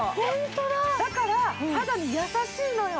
だから肌に優しいのよ。